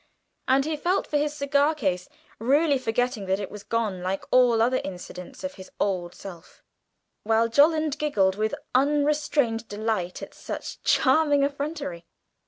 And he felt for his cigar case, really forgetting that it was gone, like all other incidents of his old self; while Jolland giggled with unrestrained delight at such charming effrontery.